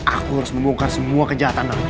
aku harus membongkar semua kejahatan